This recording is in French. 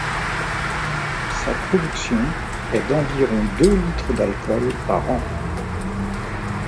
Sa production est d’environ de litres d’alcool par an.